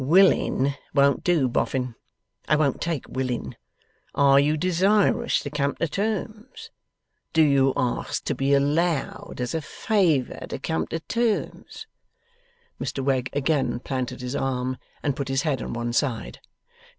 'Willing won't do, Boffin. I won't take willing. Are you desirous to come to terms? Do you ask to be allowed as a favour to come to terms?' Mr Wegg again planted his arm, and put his head on one side.